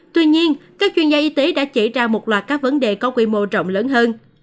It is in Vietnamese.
tuy nhiên các chuyên gia y tế đã chỉ ra một loạt các vấn đề có quy mô rộng lớn hơn